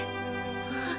あっ。